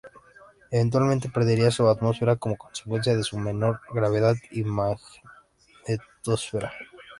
Eventualmente perdería su atmósfera como consecuencia de su menor gravedad y magnetosfera.